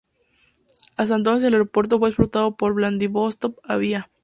Hasta entonces el aeropuerto fue explotado por Vladivostok Avia.